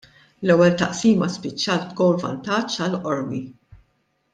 L-ewwel taqsima spiċċat b'gowl vantaġġ għal Qormi.